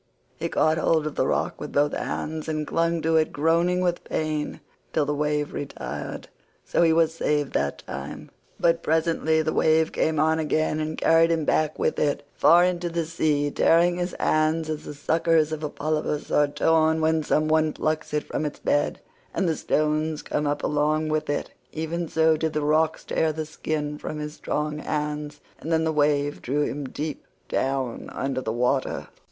He caught hold of the rock with both hands and clung to it groaning with pain till the wave retired, so he was saved that time; but presently the wave came on again and carried him back with it far into the sea—tearing his hands as the suckers of a polypus are torn when some one plucks it from its bed, and the stones come up along with it—even so did the rocks tear the skin from his strong hands, and then the wave drew him deep down under the water.